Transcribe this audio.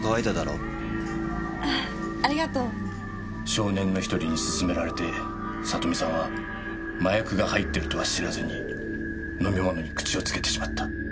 少年の１人に勧められて里美さんは麻薬が入ってるとは知らずに飲み物に口をつけてしまった。